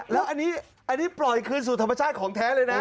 แล้วอันนี้ปล่อยคืนสู่ธรรมชาติของแท้เลยนะ